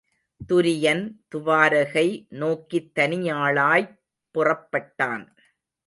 துரியன் துவாரகை நோக்கித் தனியாளாய்ப் புறப்பட்டான்.